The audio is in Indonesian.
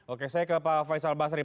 oke saya ke pak faisal basri